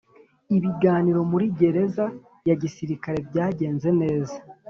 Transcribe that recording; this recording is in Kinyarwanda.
Ibiganiro muri Gereza ya Gisirikare byagenze neza